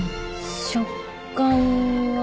食感は。